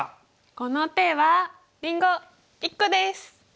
この手はりんご１個です！